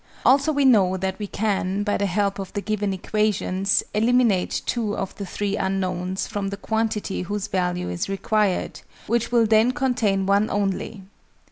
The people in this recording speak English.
Also we know that we can, by the help of the given equations, eliminate 2 of the 3 unknowns from the quantity whose value is required, which will then contain one only.